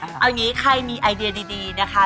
เอาอย่างนี้ใครมีไอเดียดีนะคะ